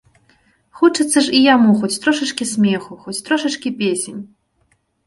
Хочацца ж і яму хоць трошачкі смеху, хоць трошачкі песень.